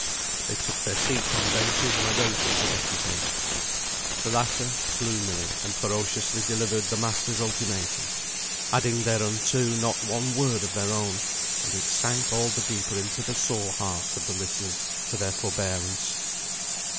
They took their seats on benches, and awaited the deputation. The latter, gloomily and ferociously, delivered the masters' ultimatum, adding thereunto not one word of their own; and it sank all the deeper into the sore hearts of the listeners for their forbearance.